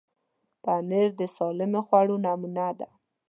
پنېر د سالمو خوړو نمونه ده.